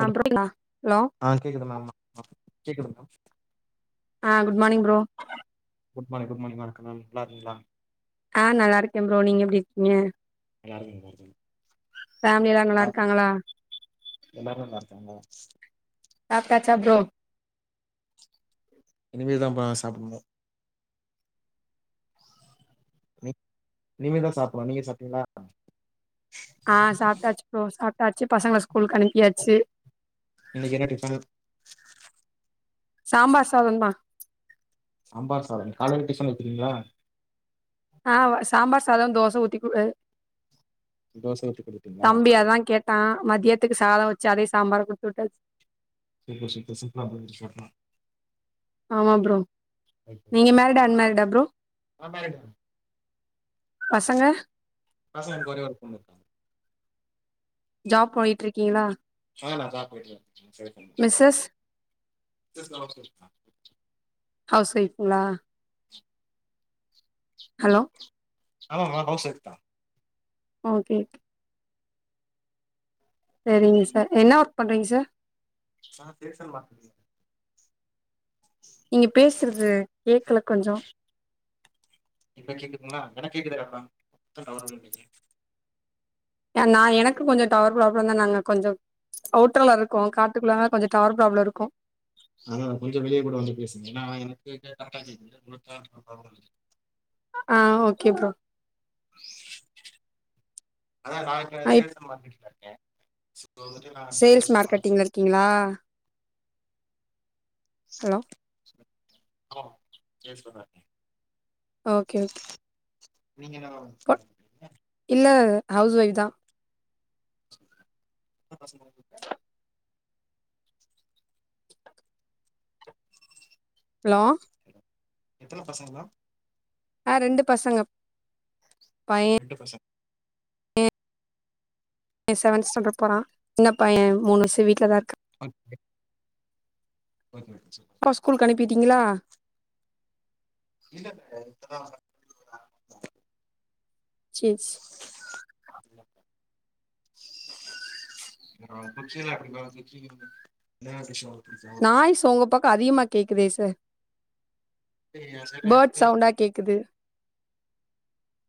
ஆ [inaudible] hello ஆ கேக்குது [inaudible] ஆ கேக்குது மா ஆ குட் மானிங் ப்ரோ குட் மானி்ங் குட் மானிங் [inaudible] நல்லா இருக்கீங்களா ஆ நல்லா இருக்கே ப்ரோ நீங்க எப்படி இருக்கீங்க [inaudible] ஃபேமிலிலா நல்லா சாப் இருக்காங்களா எல்லாரு நல்லாருக்காங்க சாப்ட்டாச்சா ப்ரோ இனிமேல் தாம்பா நா சாப்படனு நி இனிமே தா சாப்படனு. நீங்க சாப்ட்டீங்களா ஆ சாப்ட்டாச்சு ப்ரோ. சாப்ட்டாச்சு பசங்கள ஸ்கூலுக்கு அனுப்பியாச்சு. இன்னைக்கு என்ன டிஃபன் சாம்பார் சாதோந்தா சாம்பார் சாதம் காலைல டிஃபன் வெக்கிறீங்களா ஆ சாம்பார் சாதோ தோச ஊத்தி குடு தோச ஊத்தி குடுப்பீங்களா தம்பி சரி ஓகே அதா கேட் டா. மதியத்துக்கு சாதோ வச்சு அதே சாம்பார குடுத்தூட்டாச்சு [unintelligible] சிப்புலா [unintelligible] ஆமா ப்ரோ நீங்க மேரிட்டா அன்மேரிடா ப்ரோ ஆ மேரீட்தா பசங்க பசங்க எனக்கு ஒரே ஒரு பொண்ணு இருக்காங்க ஜாப் போய்ட்டுருக்கீங்களா ஆ நா ஜாப் போய்ட்டு தா இருக்க [unintelligible] மிஸ்சஸ் ஹவுஸ் வைஃபுங்களா ஹலோ ஆமாங்க வைஃப் தா ஓகே ஓகே சேரிங்க சார் என்ன ஒர்க் பண்றீங்க சார் [unintelligible] மார்க்கெட்டிங் நீங்க பேசறது கேக்கல கொஞ்சோ இப்ப கேக்குதுங்களா எனக்கு கேக்குதுறப்பம் உனக்கு தா டவர் இல்லன்னு நெனைக்கற யா நா எனக்கு கொஞ்சோ டவர் ப்ராப்ளம் தா நாங்க கொஞ்சோ அவுட்ர்ல இருக்கோ காட்டுக்குள்ளனால கொஞ்சோ டவர் ப்ராப்ளம் இருக்கு அதனால கொஞ்சோ வெளிய கூட வந்து பேசுங்க. ஏன்னா எனக்கு கரெக்ட்டா கேக்குது உங்களுக்கு டவர் ப்ராப்ளம் ஆ ஓகே ப்ரோ அதா நா இப்ப இப் சேல்ஸ் அண்ட் மார்க்கெட்டிங்ல இருக்கே. சோ சேல்ஸ் மார்க்கெட்டிங்ல இருக்கீங்ளா ஹலோ ஹலோ சேல்ஸ்மேன்னா இருக்கே ஓகே ஓகே நீங்க என்ன வா ப இல்ல ஹவுஸ் ஒய்ஃப் தா எத்தன பசங்க உங்களுக்கு ஹலோ எத்தன பசங்கோ ஆ ரெண்டு பசங்க பைய ரெண்டு பசங் த செவன்த் ஸ்டாண்டர்ட் போறா சின்ன பைய மூணு வயசு வீட்டுல தா இருக் ஓகே [unintelligible] ஸ்கூல்க்கு அனுப்பிட்டீங்களா இல்ல இல்ல இப்பதா வரே சேர் சேர் ஆ [inaudible] என்னென்ன விஷயோ உங்களுக்கு பிடிக்கு நாய்ஸ் உங்க பக்கோ அதிகமா கேக்குதே சார். ஏய், என் சைடு எனக்கு பேர்ட் சவுண்டா கேக் க்குது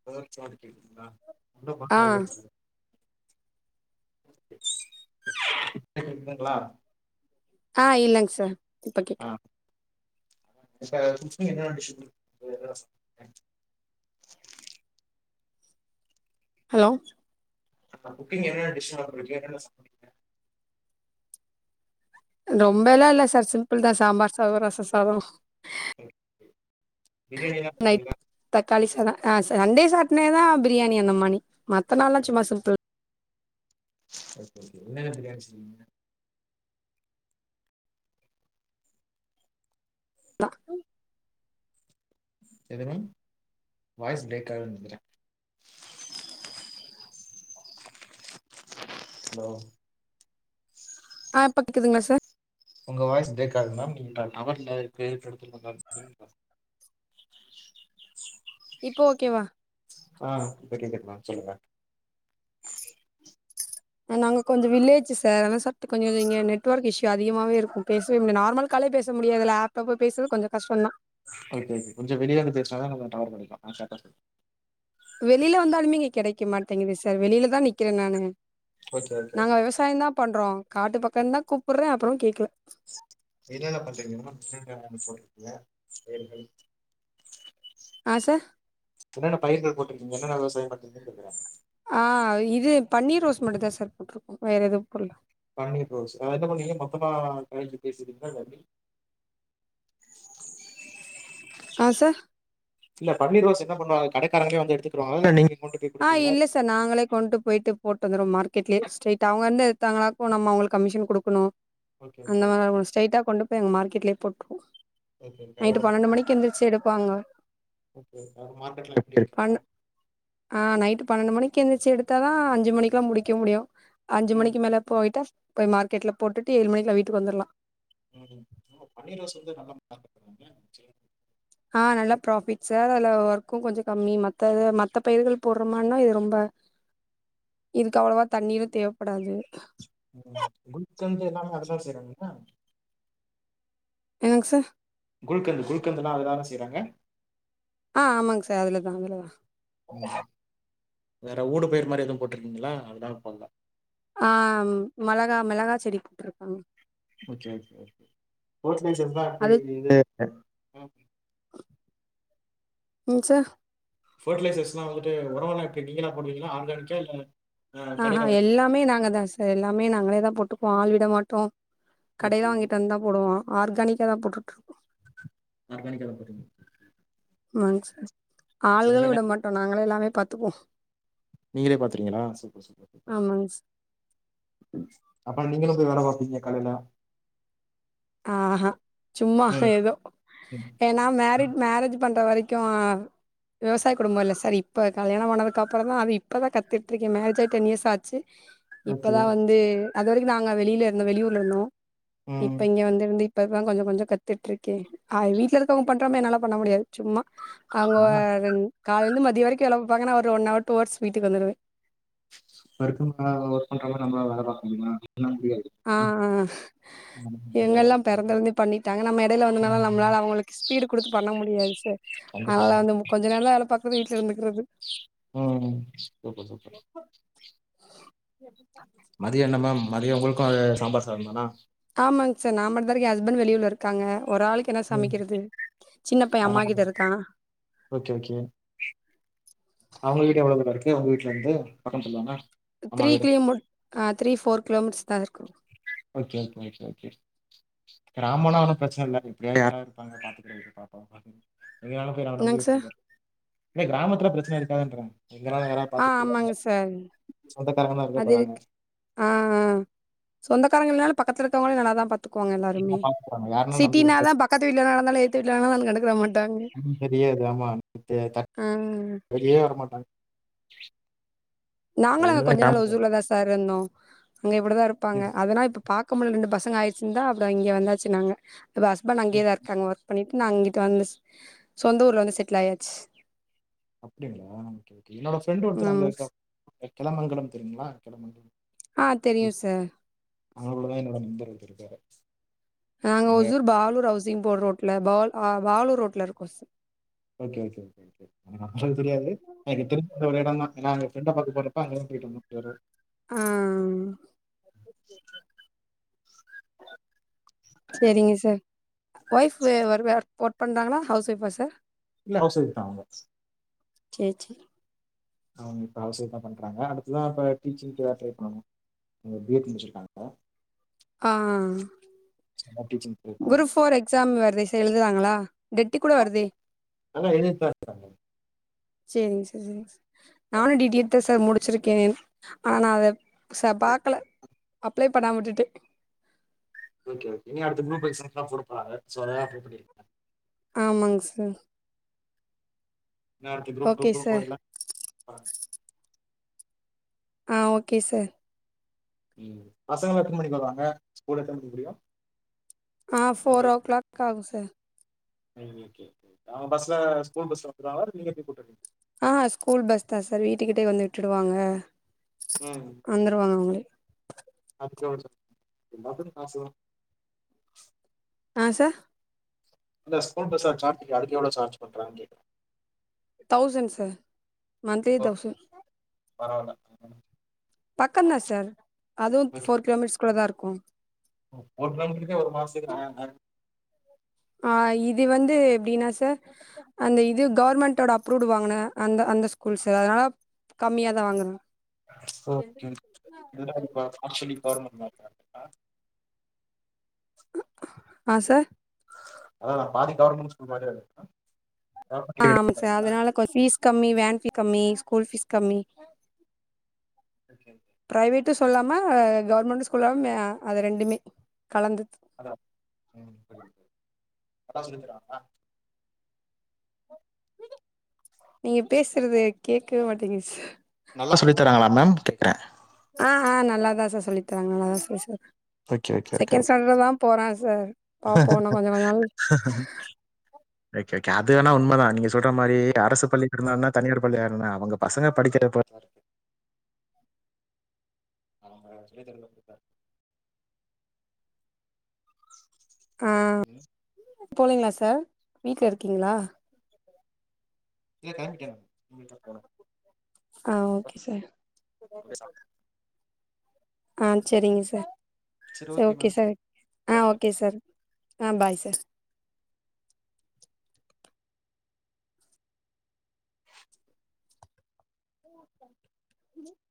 பேர்ட்ஸ் சவுண்ட் கேக்குதுங்களா இன்னோ கொஞ்சோ ஆ நேரோ கழிச்சி பண் இப்ப கேக்குதுங்ளா ஆ இல்லங் சார் இப்ப ஆ கேக்குது [unintelligible] ஹலோ ஆ குக்கிங் என்னென்ன டிஷ் சமைப்பீங்க என்னென்ன சப்டுவிங்க ரொம்பல்லாம் இல்ல சார் சிம்பிள் தா சாம்பார் சாதோ ரசோ சாதோ ஒகே பிரியாணிலா நைட் பண்ணுவிங்ளா தக்காளி சாதோ அ சண்டே சாட்னே தா பிரியாணி அந்த மானி மத்த நாள்லா சும்மா சிம்புள் ஓகே ஓகே என்னென்ன பிரியாணி செய்வீங்க ப்பா எதுங்க வாய்ஸ் பிரேக் ஆவுதுன்னு நெனைக்கிறே ஹலோ ஆ இப்ப கேக்குதுங்ளா சார் உங்க வாய்ஸ் பிரேக் ஆகுதுங் மேம் நீ டவர் இல்லாத எடத்து [unintelligible] இப்போ ஓகேவா ஆ இப்ப கேக்குது மேம் சொல்லுங்க அ நாங்க கொஞ்சோ வில்லேஜ் சார் அதனால சட்டு கொஞ்சோ இங்க நெட்ஒர்க் இஷ்யூ அதிகமாவே இருக்கும் பேசவே முடியது நார்மல் காலே பேச முடியாது இதுல ஆப்ல போய் பேசுறது கொஞ்சோ கஷ்டோதா ஓகே ஒகே கொஞ்சோ வெளிய வந்து பேசனதா நம்ம டவர் கெடைக்கு நா [unintelligible] வெளியில வந்தாலுமே இங்க கெடைக்க மாட்டேங்குது சார் வெளியில தா நிக்கிற நானு ஓகே ஓகே நாங்க ஓகே விவசாயோ தா பண்றோ காட்டு பக்கந்தா கூப்ர்றே அப்றோ கேட்கல என்ன்ன பண்றீங்மா [inaudible] ஆ சார் என்னென்ன பயிர்கள் போட்ருக்கீங்க என்னென்ன விவசாய பண்றீங்கன் கேக்றே ஆ இது பன்னீர் ரோஸ் மட்டு தா சார் போட்ருக்கோ வேற எதுவ போட்ல பன்னீர் ரோஸ் அது என்ன பண்ணுவீங்க மொத்தமா [unintelligible] பேசுவீங்லா எப்டி ஆ சார் இல்ல பன்னீர் ரோஸ் என்ன பண்ணுவாங்க கடகாரங்கலே வந்து எடுத்துக்குரு வாங்லா இல்ல நீங்க கொண்டு போய் ஆ குடுப்பீங்களா? இல்ல ச ச நாங்களே கொண்ட்டு போய்ட்டு போட்டு வந்ருவோ மார்கெட்லே ஸ்ட்ரைட்டா அவ்ங்க வந்து எடுத்தாங்கனாக்கு நம்ம அவ்ங்களுக்கு கமிஷன் குடுக்ணு ஓகே, அந்த ஓகே. மாரி ஸ்ட்ரைட்டா கொண்டு போய் எங்க மார்க்கெட்லயே போட்ருவோ ஓகே, ஓகே. அதோட நைட்டு மா பன்னெண்டு மணிக்கு எந்ருச்சு எடுப்பாங்க ஓகே அத மார்க்கெட்ல எப்டி பண் எடுப்பாங்க ஆ நைட்டு பன்னெண்டு மணிக்கு எந்திச்சி எடுத்தா தா அஞ்சு மணிக்லா முடிக்க முடியு அஞ்சு ம், மணிக்கு மேல போய்ட்டா போய் மார்கெட்ல போட்டுட்டு ஏழு மணிக்லா வீட்டுக்கு வந்தற்லா ம் ஓ பன்னீர் ரோஸ் வந்து நல்லா [inaudible] ஆ நல்லா ப்ராஃபிட் சார் அதுல ஒர்க்கு கொஞ்சோ கம்மி மத்த மத்த பயிர்கள் போட்றமான்னா இது ரொம்ப இதுக்கு அவ்வளவா தண்ணீரு தேவப்படாது ம் குல்கந்து எல்லாமே அதுல செய்றாங்ளா என்னங்க சார் குல்கந்து குல்கந்துனா அதுலதான செய்றாங்க ஆ ஆமாங் சார் அதுலதா அதுலதா ம் வேற ஊடு பயிர் மாரி எது போட்ருக்கீங்ளா அதுலா போட்ல ஆ மளகா மிளகா செடி போட்ருக்காங்க ஓகே ஓகே ஓகே ரோஸ் பேஸ் அது [inaudible] ம் சார் ஃபெர்ட்டிலைசேஷன் வந்துட்டு ஒரம்லா எப்டி நீங்கலா பண்ணுவீங்ளா ஆர்கானிக்கா இல்ல அ ஆஹ்ஹா கடையில வாங்கி எல்லாமே நாங்க தா சார் எல்லாமே நாங்களே தா போட்டுப்போ ஆள் விட மாட்டோ கடைல ஓகே. வாங்கிட்டு வந்துந்தா போடுவா ஆர்கானிக்கா தா போட்டுட்ருக்கோ ஆர்கானிக்கா தா போட்றீங் ஆமாங் சார் சில ஆள்கள் பேர்லாம் விட மாட்டோ நாங்களே எல்லாமே பாத்துப்போ நீங்களே பாத்ருவீங்ளா சூப்பர் சூப்பர் சூப்பர் ஆமாங்க சார் அப்ப நீங்களு போய் வேல பாப்பீங்க காலைல ஆஹஹா சும்மா ம் ஏதோ ம் ஏன்னா மேரிட் மேரேஜ் பண்ற வரைக்கு அ விவசாய குடும்போ இல்ல சார் இப்போ கல்யாணமானதுக்கு அப்பறந்தா அது இப்பதா கத்துட் இருக்கே மேரேஜாயி டென் இயர்ஸ் ஆச்சு ஓகே இப்பதா வந்து அது வரைக்கு நாங்க வெளில இருந்தோ வெளியூர்ல இருந்தோ ம் இங்க வந்துருந்து இப்பதா கொஞ்சோ கொஞ்சோ கத்துட்ருக்கே அவுரு வீட்டுல இருக்கவங்க பண்றமா என்னால பண்ண முடியாது சும்மா அவங்க ஆமா ர காலேந்து மதியோ வரைக்கு வேல பாப்பாங்க நா ஒரு ஒன் ஹவர் டூ ஹவர்ஸ் வீட்டுக்கு வந்துருவே [unintelligible] ஒர்க் பண்ற மா நம்மளால வேல பாக்க முடியுமா பண்ண முடியாது ஆ ஆ இவங்கெல்லா பெறந்தலுந்தே பண்ணிட்டாங்க நம்ம எடைல வந்தானால நம்ளால அவ்ங்ளுக்கு ஸ்பீடு குடுத்து பண்ண முடியாது சார் கண்டிப்பா அதலா மேம் வந்து கொஞ்ச நேரந் தா வேல பாக்குறது வீட்ல இருந்துக்கறது ம் சூப்பர்பா சூப்பர் மதியோ என்ன மேம் மதியோ ஒங்களுக்கு அதே சாம்பார் சாதந் தானா ஆமாங் சார் நாமட்டுந்தா இருக்கே எ ஹஸ்பண்ட் வெளியூர்ல இருக்காங்க ஒரு ஆளுக்கு என்ன ம் சமைக்கிறது சின்ன பையே அம்மா அதனால கிட்ட இருக்கா ஓகே ஓகே அவுங்க வீடு எவ்ளோ தூரோ இருக்கு உங்க வீட்ல இருந்து பக்கத்துலதானா த்ரீ கிலோமீட் ஆ த்ரீ ஃபோர் கிலோமீட்டர்ஸ் தா இருக்கு ஓகே ஓகே ஓகே ஓகே கிராமோனா ஒன்னு பிரச்சன இல்ல எப்டியாது யாராவது இருப்பாங்க பாத்துக்கறதுக்கு பாப்பாவ எங்க வேனுனாலும் போயி நாம [unintelligible] நம்பி என்னங் விட்டுட்டு சார் போலா இல்ல கிராமத்துல பிரச்சன இருக்காதுன்றே எங்கனால்லா யாரா ஆ பாத்துட்டு ஆமாங்க போய்ருவாய்க சார் சொந்தக்காரங்க தா இருக்க போறாங்க அ அ சொந்தக்காரங்க இல்லன்னாலு பக்கத்துல இருக்கவங்களே நல்லா தா பாத் துகுவாங்க என்ன எல்லாருமே பாத்துக்குறாங்க யாருன்னா நம்பி சிட்டின்னா விட்டுட்டு தா பக்கத்து வீட்ல என்ன நடந்தாலு எதுத்த வீட்ல என்ன நடந்தாலு எது கண்டுக்கற மாட் ஒண்ணு தெரியாது ஆமா எ தட் ஆ வெளியவே வரமாட்டாங்க அது நாங்களு அங்க ஒண்ணுதா கொஞ்ச நாள் கிராமத்துல ஒசூர்லதா சார் இருந்தோ அங்க இப்டிதா இருக்கு. இருப்பாங்க அதனா இப்ப பாக்கமுல்ல ரெண்டு பசங்க ஆயிருச்சுன் தா அப்பறோ இங்க வாந்தாச்சு நாங்க இப்ப ஹஸ்பண்ட் சரி அங்கயே தா இருக்காங்க ஒர்க் பண்ணிட்டு நா அங்கிட்டு வந்துஸ் சொந்த ஊர்ல வந்து செட்டில் ஆயாச்சு அப்டிங்களா ஓகே ஓகே என்னோட ஃப்ரெண்டு் ஒருத்தர் அங்க ஆமாங்க இருக்கா ஸ் கிளமங்கலம் தெரியுங்களா கிளமங்கலம் அ தெரியு சார் அங்னகுள்ள தா என்னோட நண்பர் ஒருத்தர் இருக்காரு நாங்க ஒசூர் பாலூர் ஹவுசிங் போற ரோட்ல பா பாலூர் ரோட்ல இருக்கோ சார் ஓகே ஓகே ஓகே எனக்கு தெரியாது எனக்கு தெருஞ்சது அந்த ஒரு எடந் தா ஏனா அங்க ஃப்ரண்ட பாக்க போறப்ப அங்கதா போயிட்டு வந்தோ ஒரு அ செரிங்க சார் ஒய்ஃப்பு வருவாரு ஒர்க் பண்றாங்களா ஹவுஸ் ஒய்ஃபா சார் இல்ல ஹவுஸ் ஒய்ஃப் தா சேர் சேர் அவுங்க இப்ப ஹவுஸ் ஒய்ஃபா பண்றாங்க அடுத்துதா இப்ப டீச்சிங்கு எதா ட்ரை பண்ணனு அவுங்க பி எட் முடுச்சுருக்காங்க அ அ அ சும்மா டீச்சிங் பண்ணிருக்காங்க குரூப் ஃபோர் எக்ஸாம் வருதே சார் எழுதுவாங்களா டெட்டு கூட வருதே நல்லா எழுதிருக்காரு சேரிங் சார் சேரிங் சார் சார் நானு டி டி எட் தா சார் முடுச்சுருக் கேன் ஆனா அத ச பாக்கல அப்ளே பண்ணாம வுட்டுடே ஓகே ஓகே இனி அடுத்த குரூப் எக்ஸாம்க்லா போடப் போறாங்க சோ அதனால அப்ளே பண்ணிற்க ஆமாங் சார் நாளக்கி group two okay group four sir எல்லா அ ஓகே சார் ம் பசங்களா எத்தன மணிக்கு வருவாங்க ஸ்கூல் எத்தன மணிக்கு முடியு அ ஃபோர் ஓ க்ளாக் ஆகு சார் ம் ஓகே அவுங்க பஸ்ல ஸ்கூல் பஸ்ல வந்துறுவாங்களா இல்ல நீங்க போய் கூட்டு வருவீங் அ ஸ்கூல் பஸ் தா சார் வீட்டுக்கிட்டயே வந்து விட்டுடுவாங்க ம் வந்துருவாங்க அவுங்களே அதுக்கு எவ்ளோ எல்லாத்துக்கு காசுதா அ சார் இந்த ஸ்கூல் பஸ்ஸ சார்ஜ் அதுக்கு எவ்ளோ சார்ஜ் பண்றாங்க கேட்ட தௌசண் சார் மந்த்லி தௌசண்ட் பரவால்ல பக்கம் தா சார் அதுவு ஃபோர் கிலோமீட்டர்ஸ் குள்ள தா இருக்கு ஒருத்தங்களுக்கே ஒரு மாசத்துக்கு நாலாயிரம் தா அ இது வந்து எப்டினா சார் அந்த இது கவர்மெண்டோட அப்ரூவ்டு வாங்குன அந்த அந்த ஸ்கூல் சார் அதனால கம்மியா தா வாங்குறே ஓகே இதுல கொஞ்சோ ப்ராப்ளமா ஆக்சுவலி கவர்மா [unintelligible] அ சார் அதா பாதி கவர்மெண்ட் ஸ்கூல் மாதிரி இருக்குதா கவர்மெண்ட் ஆமா எயிட்தா அதனால கொஞ்ச ஃபீஸ் கம்மி வேன் ஃபீஸ் கம்மி ஸ்கூல் ஃபீஸ் கம்மி ஓகே ஓகே ப்ரைவேட் ம் சொல்லாம சரி கவர்மெண்ட் ஸ்கூல்லா அது ரெண்டுமே கலந்து ஹலோ ம் சொல்லுங்க ப்ரோ நல்ல சொல்லி தாரங்களா நீங்க பேசுறது கேட்கவே மாட்டீங்கது சார் நல்லா சொல்லி தராங்களா மேம் கேக்குறே அ அ நல்லாதா சார் சொல்லி தராங்க நல்லாதா சார் சொல்லி okay okay okay second okay standard தா போறா சார் [inaudible] பாப்போ இன்னும் கொஞ்ச கொஞ்ச நாள் ஓகே ஒகே அது வேனா உண்மைதான் நீங்க சொல்ற மாரி அரசு பள்ளிக்கூட இருந்தா தனியார் பள்ளியா இருந்தா என்ன அவுங்க பசங்க படிக்கிற பொரு அவுங்க சொல்லி தர்றது அப்டி தாஇருக்கு ஆ ம் போலீங்ளா சார் வீட்ல இருக்கீங்களா இல்ல கிளம்பிட்டே மேடம் இனிமே தா போணும் ஆ ஓகே சார் அப்படியே சா- ஆ செரிங்க சார் சரி சர் ஓகே மேம் சார் ஆ ஓகே சார் ஆ பாய் சார் [inaudible]